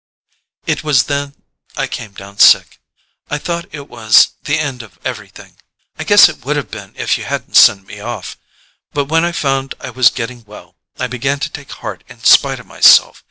"It was then I came down sick—I thought it was the end of everything. I guess it would have been if you hadn't sent me off. But when I found I was getting well I began to take heart in spite of myself.